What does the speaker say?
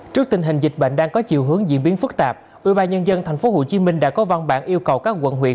trước tình hình dịch bệnh đang có chiều hướng diễn biến phức tạp ubnd tp hcm đã có văn bản yêu cầu các quận huyện